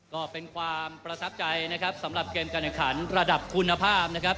ก็เป็นความประทับใจนะครับสำหรับเกมการแข่งขันระดับคุณภาพนะครับ